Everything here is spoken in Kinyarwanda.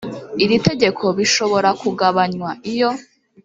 iri tegeko bishobora kugabanywa iyo